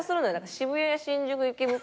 渋谷新宿池袋。